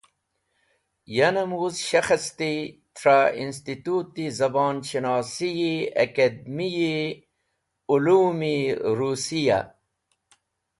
Yanem woz wuz shekhesti trẽ Institut-e Zabon Shinosi-e Akademi-e Ulum-e Rusiya.